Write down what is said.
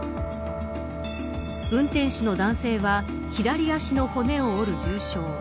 運転手の男性は左足の骨を折る重傷。